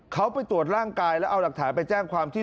เขาไปตรวจร่างกายแล้วเอาหลักฐานไปแจ้งความที่